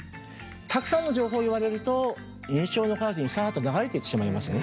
たくさんの情報を言われると印象に残らずにさっと流れていってしまいますね。